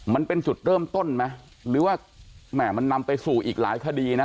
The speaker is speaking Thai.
มันเป็นจุดเริ่มต้นไหมหรือว่าแหม่มันนำไปสู่อีกหลายคดีนะ